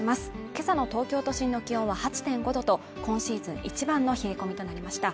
今朝の東京都心の気温は８．５度と今シーズン一番の冷え込みとなりました